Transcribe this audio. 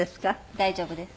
大丈夫です。